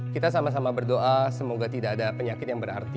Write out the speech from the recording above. kita sama sama berdoa semoga tidak ada penyakit yang berarti